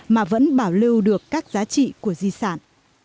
mà vẫn bảo lưu được các giá trị của di sản